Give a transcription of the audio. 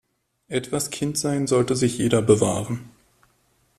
Etwas Kindsein sollte sich jeder bewahren.